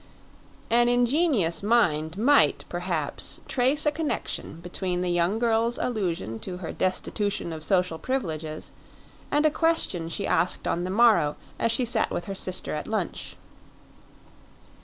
An ingenious mind might, perhaps, trace a connection between the young girl's allusion to her destitution of social privileges and a question she asked on the morrow as she sat with her sister at lunch.